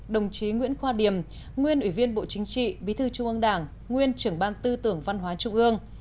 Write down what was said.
đồng chí nguyễn khoa điểm nguyên ủy viên bộ chính trị bí thư trung ương đảng nguyên trưởng ban tư tưởng văn hóa trung ương